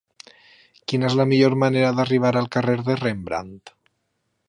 Quina és la millor manera d'arribar al carrer de Rembrandt?